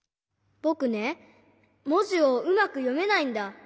ぼくねもじをうまくよめないんだ。